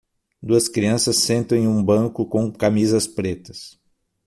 duas crianças sentam em um banco com camisas pretas